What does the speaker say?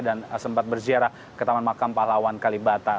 dan sempat berziarah ke taman makam pahlawan kalibata